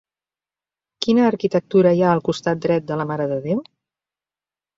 Quina arquitectura hi ha al costat dret de la Mare de Déu?